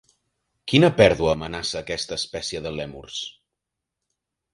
Quina pèrdua amenaça aquesta espècie de lèmurs?